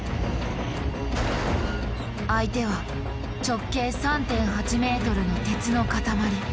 相手は直径３．８ｍの鉄の塊。